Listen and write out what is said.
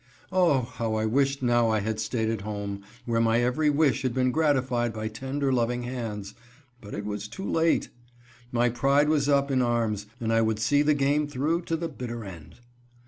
Oh! how I wished now I had stayed at home, where my every wish had been gratified by tender, loving hands, but it was too late! My pride was up in arms, and I would see the game through to the bitter end.